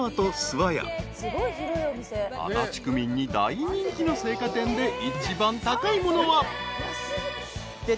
［足立区民に大人気の青果店で一番高いものは］